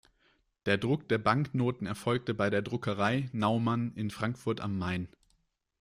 Der Druck der Banknoten erfolgte bei der Druckerei Naumann in Frankfurt am Main.